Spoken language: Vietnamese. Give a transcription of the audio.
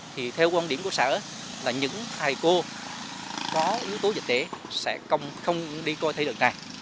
thì theo quan điểm của sở là những thầy cô có yếu tố dịch tễ sẽ không đi coi thi đợt này